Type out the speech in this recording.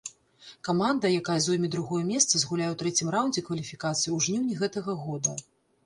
Каманда, якая зойме другое месца, згуляе ў трэцім раўндзе кваліфікацыі ў жніўні гэтага года.